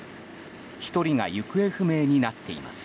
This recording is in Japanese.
１人が行方不明になっています。